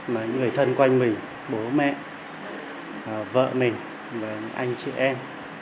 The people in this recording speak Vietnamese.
mà những người thân quanh mình bố mẹ vợ mình anh chị em